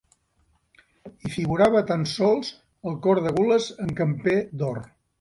Hi figurava tan sols el cor de gules en camper d'or.